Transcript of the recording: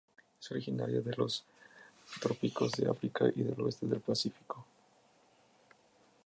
Es originaria de loa trópicos de África y del oeste del Pacífico.